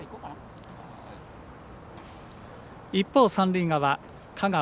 一方、三塁側、香川。